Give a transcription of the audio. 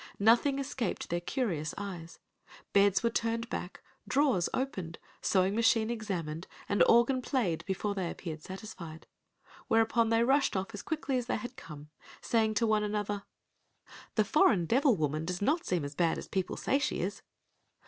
Nothing escaped their curious eyes—beds were turned back, drawers opened, sewing machine examined, and organ played before they appeared satisfied. Whereupon they rushed off as quickly as they had come, saying to one another, "The foreign devil woman does not seem as bad as people say she is."